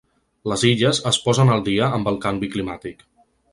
Les Illes es posen al dia amb el canvi climàtic.